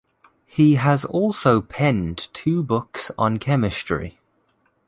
He has also penned two books on Chemistry.